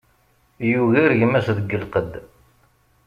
Yugar gma-s deg lqedd.